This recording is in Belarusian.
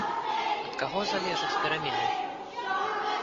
Ад каго залежаць перамены?